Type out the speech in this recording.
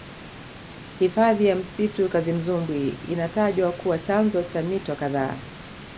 hifadhi ya msitu kazimzumbwi inatajwa kuwa chanzo cha mito kadhaa